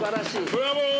ブラボー！